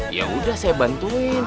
ada gajahnya dibalik